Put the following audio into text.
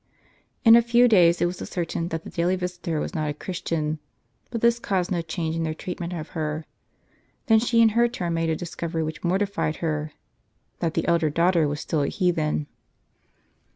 In a few days it was ascertained that the daily visitor was not a Chris tian ; but this caused no change in their treatment of her. Then she in her turn made a discovery which mortified her — that the elder daughter was still heathen.